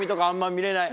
見れない。